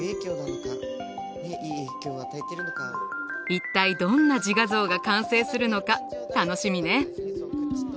一体どんな自画像が完成するのか楽しみね。